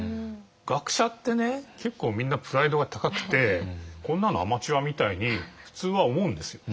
学者ってね結構みんなプライドが高くてこんなのアマチュアみたいに普通は思うんですよ。